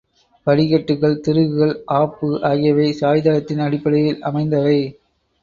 படிக்கட்டுகள், திருகுகள், ஆப்பு ஆகியவை சாய்தளத்தின் அடிப்படையில் அமைந்தவை.